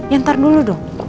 yantar dulu dong